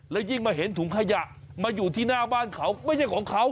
แล้วยิ่งมาเห็นถุงขยะมาอยู่ที่หน้าบ้านเขาไม่ใช่ของเขา